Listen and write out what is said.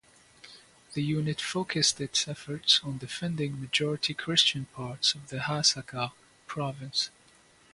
The unit focused its efforts on defending majority Christian parts of the Hasakah province.